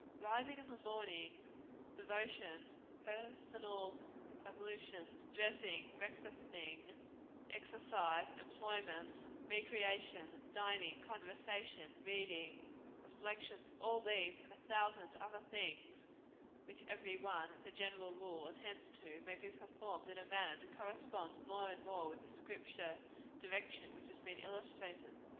Rising in the morning, devotion, personal ablutions, dressing, breakfasting, exercise, employments, recreations, dining, conversation, reading, reflection all these, and a thousand other things which every one, as a general rule, attends to may be performed in a manner to correspond more and more with the Scripture direction which has been illustrated.